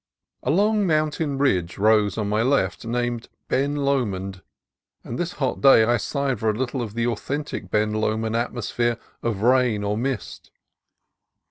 A long mountain ridge rose on my left, named Ben Lomond, and this hot day I sighed for a little of the authentic Ben Lomond atmosphere of rain or mist.